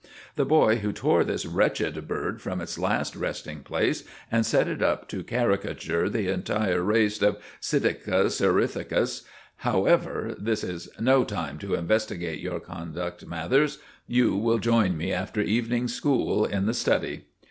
"The boy who tore this wretched bird from its last resting place and set it up to caricature the entire race of Psittacus erythacus—— However, this is no time to investigate your conduct, Mathers. You will join me after evening school in the study."